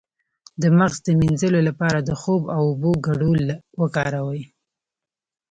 د مغز د مینځلو لپاره د خوب او اوبو ګډول وکاروئ